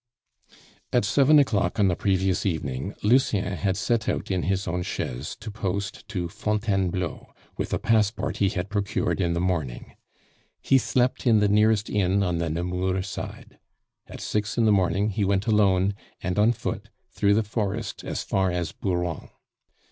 At seven o'clock on the previous evening Lucien had set out in his own chaise to post to Fontainebleau with a passport he had procured in the morning; he slept in the nearest inn on the Nemours side. At six in the morning he went alone, and on foot, through the forest as far as Bouron.